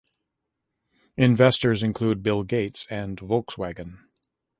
Investors include Bill Gates and Volkswagen.